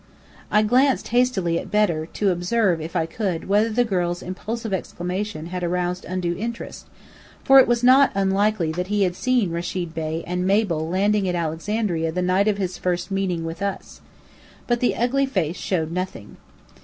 I glanced hastily at Bedr, to observe, if I could, whether the girl's impulsive exclamation had aroused undue interest; for it was not unlikely that he had seen Rechid Bey and Mabel landing at Alexandria the night of his first meeting with us. But the ugly face showed nothing.